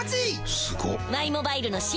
すごっ！